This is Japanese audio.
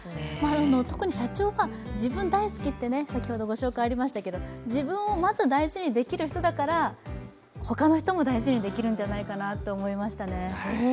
特に社長が自分大好きって先ほどご紹介ありましたけれども、自分をまず大事にできる人だから、他の人も大事にできるんじゃないかなと思いましたね。